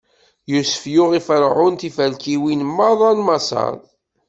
Yusef yuɣ i Ferɛun tiferkiwin meṛṛa n Maṣer.